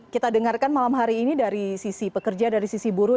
kita dengarkan malam hari ini dari sisi pekerja dari sisi buruh